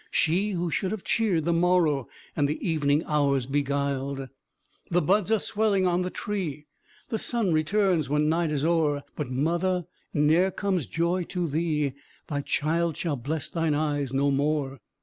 She who should have cheered the morrow, And the evening hours beguiled? III The buds are swelling on the tree, The sun returns when night is o'er; But, mother, ne'er comes joy to thee, Thy child shall bless thine eyes no more.